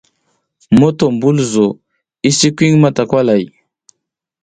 Motombulzo i sikwi matakay.